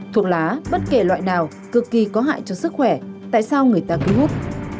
thuốc lá bất kể loại nào cực kỳ có hại cho sức khỏe tại sao người ta cứu hút